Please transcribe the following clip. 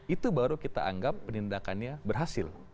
itu baru kita anggap penindakannya berhasil